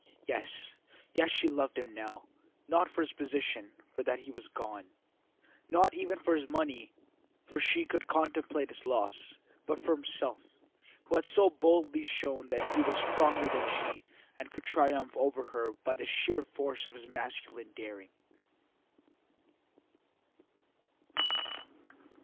Yes, yes, she loved him now; not for his position, for that was gone; not even for his money, for she could contemplate its loss; but for himself, who had so boldly shown that he was stronger than she and could triumph over her by the sheer force of his masculine daring.